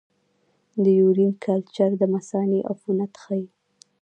د یورین کلچر د مثانې عفونت ښيي.